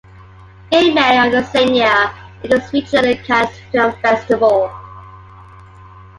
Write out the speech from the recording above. In May of the same year, it was featured at the Cannes Film Festival.